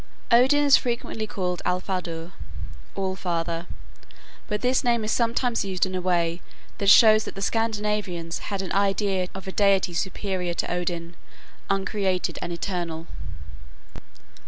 Odin is frequently called Alfadur (All father), but this name is sometimes used in a way that shows that the Scandinavians had an idea of a deity superior to Odin, uncreated and eternal.